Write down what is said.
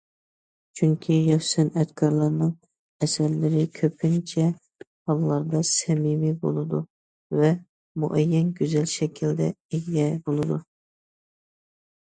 چۈنكى ياش سەنئەتكارلارنىڭ ئەسەرلىرى كۆپىنچە ھاللاردا سەمىمىي بولىدۇ ۋە مۇئەييەن گۈزەل شەكىلگە ئىگە بولىدۇ.